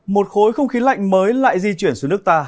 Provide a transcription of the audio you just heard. một khối không khí lạnh mới lại di chuyển xuống nước ta